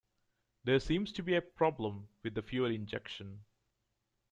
There seems to be a problem with the fuel injection.